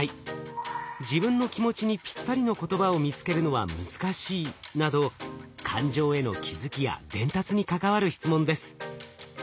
自分の気持ちにぴったりの言葉を見つけるのは難しいなど感情への気づきや伝達に関わる質問です。